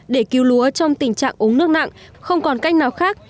để cứu lúa trong tình trạng ống nước nặng không còn cách nào khác